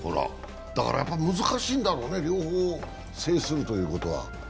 だからやっぱり難しいんだろうね、両方制するということは。